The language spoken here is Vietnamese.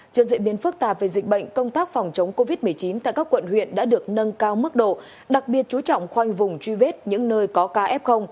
trước diễn biến phức tạp về dịch bệnh công tác phòng chống covid một mươi chín tại các quận huyện đã được nâng cao mức độ đặc biệt chú trọng khoanh vùng truy vết những nơi có ca f